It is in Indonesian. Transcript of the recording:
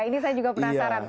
ini saya juga penasaran